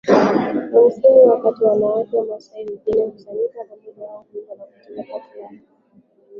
hamsini Wakati wanawake wamasai wengi hukusanyika pamoja wao huimba na kucheza kati yao wenyewe